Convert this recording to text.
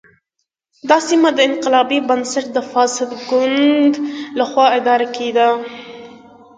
دا سیمه د انقلابي بنسټ د فاسد ګوند له خوا اداره کېده.